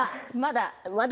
まだ。